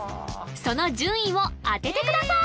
その順位を当ててください！